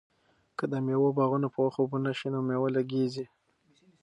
که د مېوو باغونه په وخت اوبه نشي نو مېوه لږیږي.